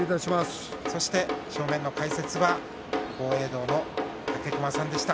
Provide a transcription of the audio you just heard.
正面の解説は豪栄道の武隈さんでした。